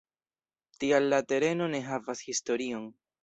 Tial la tereno ne havas historion.